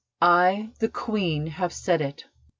I, the Queen, have said it!"